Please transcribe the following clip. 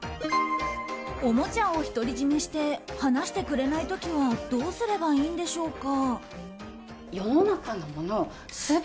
おもちゃを独り占めして離してくれない時はどうすればいいんでしょうか。